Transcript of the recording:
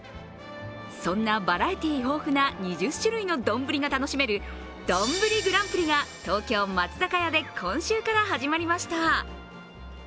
そんなバラエティー豊富な２０種類のどんぶりが楽しめるどんぶりグランプリが東京・松坂屋で今週から始まりました。